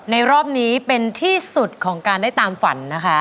รอบนี้เป็นที่สุดของการได้ตามฝันนะคะ